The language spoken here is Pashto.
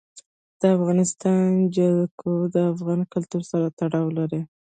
د افغانستان جلکو د افغان کلتور سره تړاو لري.